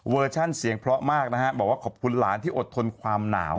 ชั่นเสียงเพราะมากนะฮะบอกว่าขอบคุณหลานที่อดทนความหนาว